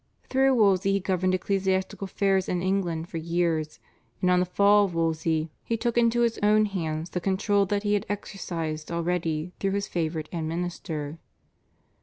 Through Wolsey he governed ecclesiastical affairs in England for years, and on the fall of Wolsey he took into his own hands the control that he had exercised already through his favourite and minister.